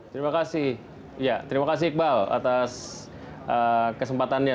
terima kasih ya terima kasih iqbal atas kesempatannya